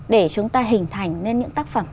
để chúng ta hình thành lên những tác phẩm